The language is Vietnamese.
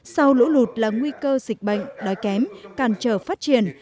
sau lũ lụt là nguy cơ dịch bệnh đói kém cản trở phát triển